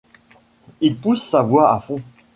Il pousse sa voix à fond.